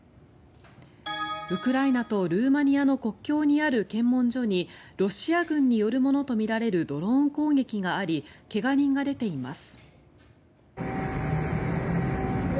ウクライナとルーマニアの国境にある検問所にロシア軍によるものとみられるドローン攻撃があり怪我人が出ています。